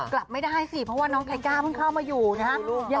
กลับไม่ได้สิเพราะว่าน้องไทก้าเพิ่งเข้ามาอยู่นะฮะ